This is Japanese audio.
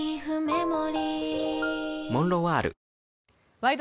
「ワイド！